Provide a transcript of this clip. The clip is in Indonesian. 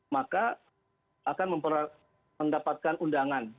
maka akan mendapatkan undangan